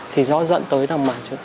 thì do dẫn tới là mở chân